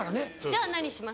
じゃあ何します？